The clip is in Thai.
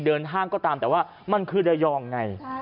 ห้างก็ตามแต่ว่ามันคือระยองไง